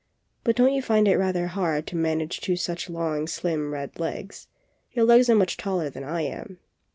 But don't you find it rather hard to manage two such long, slim, red legs? Your legs are much taller than I am."